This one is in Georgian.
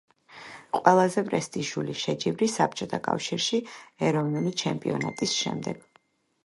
ყველაზე პრესტიჟული შეჯიბრი საბჭოთა კავშირში ეროვნული ჩემპიონატის შემდეგ.